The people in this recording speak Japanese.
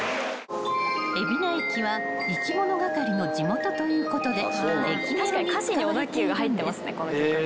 ［海老名駅はいきものがかりの地元ということで駅メロに使われているんです］